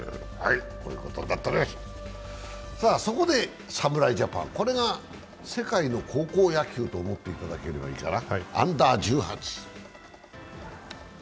そこで侍ジャパン、これが世界の高校野球と思っていただければいいかな？